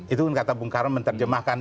itu kata bung karno menerjemahkan